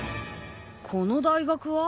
この大学は？